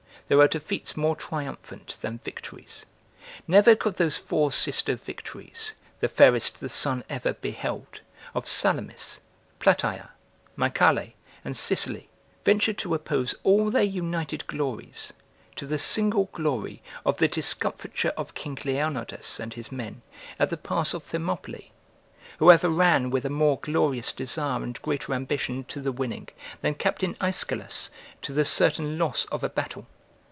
There are defeats more triumphant than victories. Never could those four sister victories, the fairest the sun ever be held, of Salamis, Plataea, Mycale, and Sicily, venture to oppose all their united glories, to the single glory of the discomfiture of King Leonidas and his men, at the pass of Thermopylae. Who ever ran with a more glorious desire and greater ambition, to the winning, than Captain Iscolas to the certain loss of a battle?